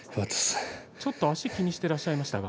ちょっと足を気にしてらっしゃいましたが。